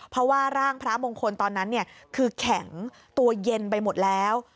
เพราะว่าร่างพระมงคลตอนนั้นคือแข็งตัวเย็นไปหมดแล้ว